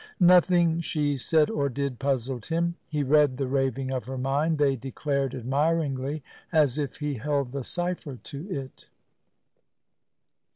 Nothing she said or did puzzled him. He read the raving of her mind, they declared admiringly, as if he held the cipher to it.